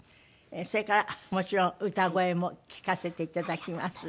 それからもちろん歌声も聴かせていただきます。